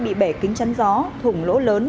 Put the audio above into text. bị bể kính chắn gió thủng lỗ lớn